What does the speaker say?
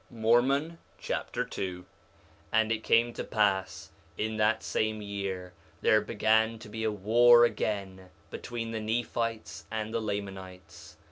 Mormon Chapter 2 2:1 And it came to pass in that same year there began to be a war again between the Nephites and the Lamanites.